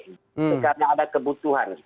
karena ada kebutuhan